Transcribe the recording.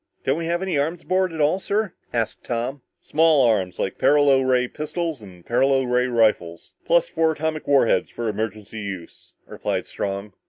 "Don't we have any arms aboard at all, sir?" asked Tom. "Small arms, like paralo ray pistols and paralo ray rifles. Plus four atomic war heads for emergency use," replied Strong.